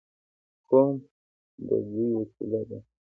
قوم د دوی وسیله ده.